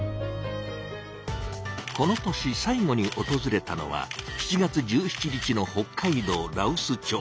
この年最後におとずれたのは７月１７日の北海道羅臼町。